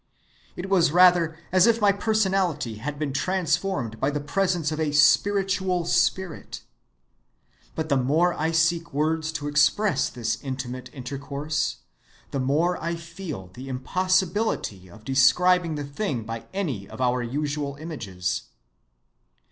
It was rather as if my personality had been transformed by the presence of a spiritual spirit. But the more I seek words to express this intimate intercourse, the more I feel the impossibility of describing the thing by any of our usual images.